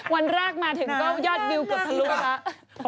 วันแรกมาถึงยอดวิวกับสรุปอะ